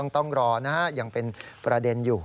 ต้องรอนะฮะยังเป็นประเด็นอยู่